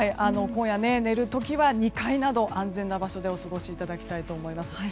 今夜、寝る時は２階など安全な場所でお過ごしいただきたいと思います。